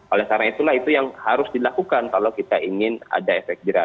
oleh karena itulah itu yang harus dilakukan kalau kita ingin ada efek jerah